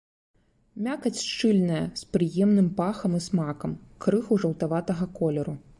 Мякаць шчыльная, з прыемным пахам і смакам, крыху жаўтаватага колеру.